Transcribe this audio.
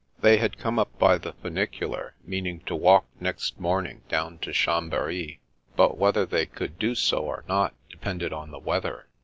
They had come up by the funicular, meaning to walk next morning down to Chambery, but whether they could do so or not depended on the weather.